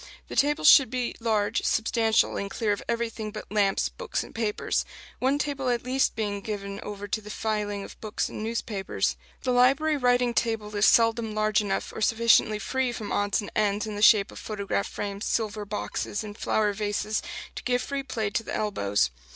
The tables should be large, substantial, and clear of everything but lamps, books and papers one table at least being given over to the filing of books and newspapers. The library writing table is seldom large enough, or sufficiently free from odds and ends in the shape of photograph frames, silver boxes, and flower vases, to give free play to the elbows.